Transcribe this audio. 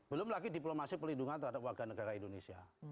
belum lagi diplomasi pelindungan terhadap warga negara indonesia